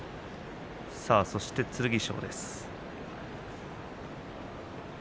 そして剣翔です。